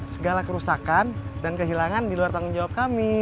segala kerusakan dan kehilangan di luar tanggung jawab kami